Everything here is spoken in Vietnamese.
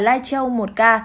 lai châu một ca